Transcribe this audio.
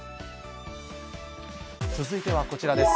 続いてはこちらです。